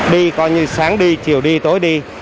đi coi như sáng đi chiều đi tối đi